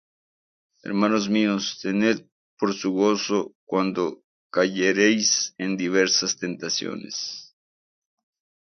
Hermanos míos, tened por sumo gozo cuando cayereis en diversas tentaciones;